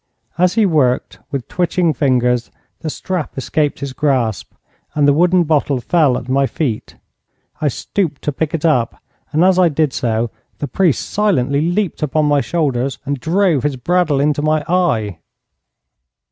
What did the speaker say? As he worked with twitching fingers the strap escaped his grasp, and the wooden bottle fell at my feet. I stooped to pick it up, and as I did so the priest silently leaped upon my shoulders and drove his brad awl into my eye!